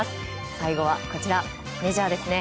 最後はこちら、メジャーですね。